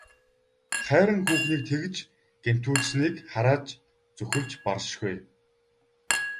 Хайран хүүхнийг тэгж гэмтүүлснийг харааж зүхэвч баршгүй.